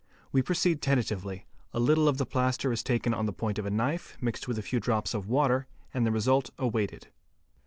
We proceed tentatively; a little of the plaster is taken on the point of a knife, mixed with a few drops of water, and the result awaited.